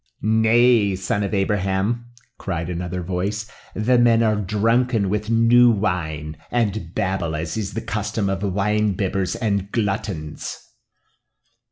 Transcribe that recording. "Nay, son of Abraham," cried another voice, "the men are drunken with new wine, and babble as is the custom of wine bibbers and gluttons."